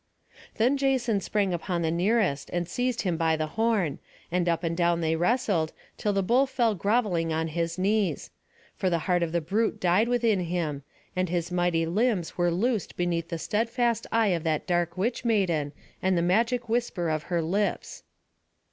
Then Jason sprang upon the nearest, and seized him by the horn; and up and down they wrestled, till the bull fell grovelling on his knees; for the heart of the brute died within him, and his mighty limbs were loosed beneath the steadfast eye of that dark witch maiden, and the magic whisper of her lips.